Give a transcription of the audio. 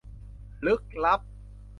ลึกลับ